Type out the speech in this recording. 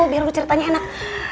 biar lo ceritanya enak